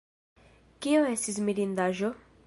Kio estis mirindaĵo?